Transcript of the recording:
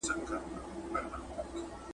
دلته هر یو چي راغلی خپل نوبت یې دی تېر کړی `